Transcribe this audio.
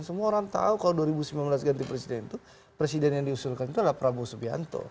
semua orang tahu kalau dua ribu sembilan belas ganti presiden itu presiden yang diusulkan itu adalah prabowo subianto